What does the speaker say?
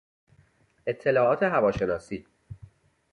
اطلاعات هواشناسی